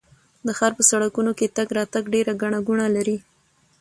د ښار په سړکونو کې تګ راتګ ډېر ګڼه ګوڼه لري.